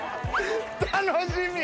楽しみ！